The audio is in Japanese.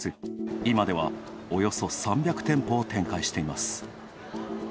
今ではおよそ３００店舗を展開しています。